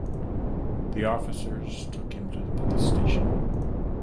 The officers took him to the police station.